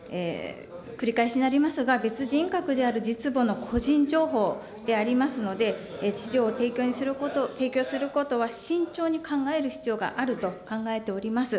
繰り返しになりますが、別人格である実母の個人情報でありますので、資料を提供することは慎重に考える必要があると考えております。